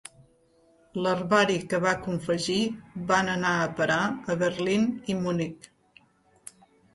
L'herbari que va confegir van anar a parar a Berlín i Munic.